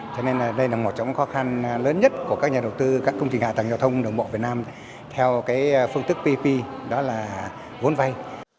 cho nên đây là một trong những khó khăn lớn nhất của các nhà đầu tư các công trình hạ tầng giao thông đường bộ việt nam theo phương tức pp đó là vốn vay